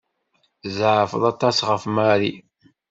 Tzeɛfeḍ aṭas ɣef Mary.